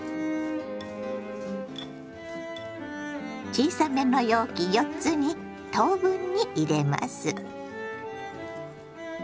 小さめの容器４つに等分に入れます。